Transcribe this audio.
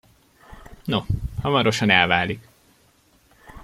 No, hamarosan elválik!